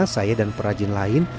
saya dan perrajin lain